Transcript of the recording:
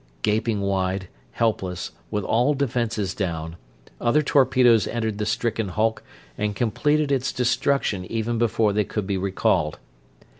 Gaping wide, helpless, with all defenses down, other torpedoes entered the stricken hulk and completed its destruction even before they could be recalled.